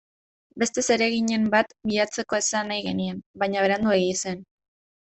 Beste zereginen bat bilatzeko esan nahi genien, baina Beranduegi zen.